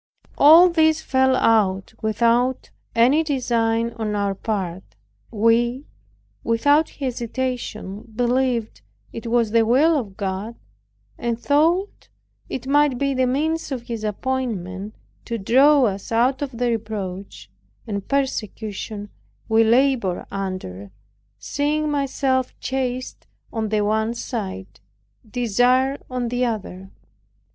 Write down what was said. As this fell out without any design on our part, we, without hesitation, believed it was the will of God; and thought it might be the means of His appointment to draw us out of the reproach and persecution we labored under, seeing myself chased on the one side, desired on the other.